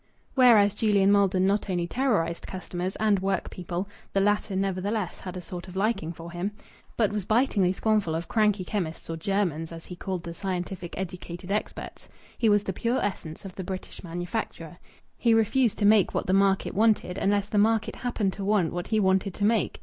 Whereas Julian Maldon not only terrorized customers and work people (the latter nevertheless had a sort of liking for him), but was bitingly scornful of "cranky chemists," or "Germans," as he called the scientific educated experts. He was the pure essence of the British manufacturer. He refused to make what the market wanted, unless the market happened to want what he wanted to make.